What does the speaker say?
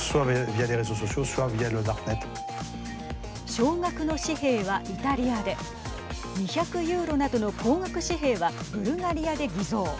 小額の紙幣はイタリアで２００ユーロなどの高額紙幣はブルガリアで偽造。